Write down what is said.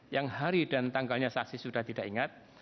yang hari dan tanggalnya saksi sudah tidak ingat